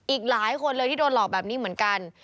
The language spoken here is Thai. อีกหลายคนเลยที่โดนหลอกแบบนี้เหมือนกัน